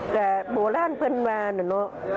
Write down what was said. แต่โบราณเพิ่นว่านี่เนาะ